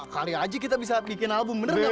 kali aja kita bisa bikin album bener gak men